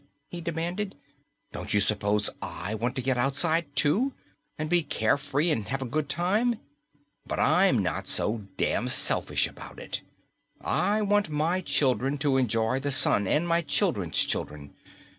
he demanded. "Don't you suppose I want to get outside, too, and be carefree and have a good time? But I'm not so damn selfish about it. I want my children to enjoy the Sun, and my children's children.